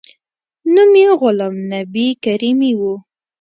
نوم یې غلام نبي کریمي و.